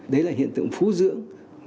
đấy là hiện tượng phú dưỡng